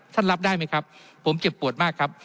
รับได้ไหมครับผมเจ็บปวดมากครับ